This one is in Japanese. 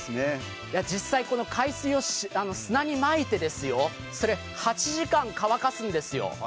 実際海水を砂にまいて８時間乾かすんですよ。